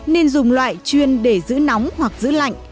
nên dùng loại chuyên để giữ nóng hoặc giữ lạnh